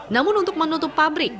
namun untuk menutup pabrik